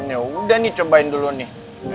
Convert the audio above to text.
ya udah nih cobain dulu nih